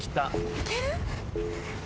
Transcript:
いける？